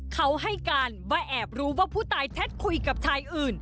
เขาให้การว่าแอบรู้ว่าผู้ตายแชทคุยกับชายอื่น